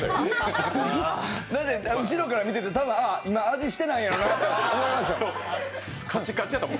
後ろから見てて、多分今、味してないんやろなと思いましたもん。